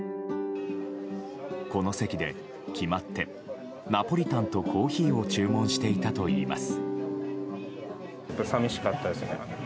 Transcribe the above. この席で決まってナポリタンとコーヒーを注文していたといいます。